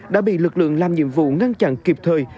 đã bị lực lượng làm nhiệm vụ ngăn chặn kịp thời